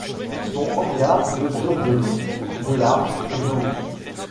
Son hangar mesure de long, de large et de haut.